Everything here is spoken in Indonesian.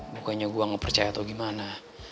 bukannya gue ngepercaya atau gimana